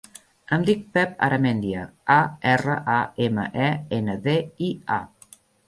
Em dic Pep Aramendia: a, erra, a, ema, e, ena, de, i, a.